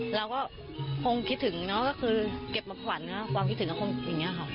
เราก็คงคิดถึงเนอะก็คือเก็บมาขวัญความคิดถึงก็คงอย่างนี้ค่ะ